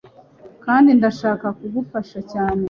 Kandi ndashaka kugufasha cyane